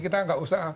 tidak mungkin ya